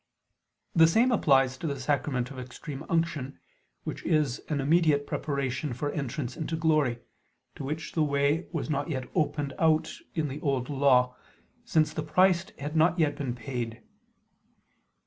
The same applies to the sacrament of Extreme Unction, which is an immediate preparation for entrance into glory, to which the way was not yet opened out in the Old Law, since the price had not yet been paid.